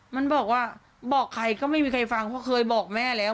มันบอกว่าบอกใครก็ไม่มีใครฟังเพราะเคยบอกแม่แล้ว